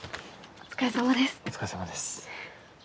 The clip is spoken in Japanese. お疲れさまです。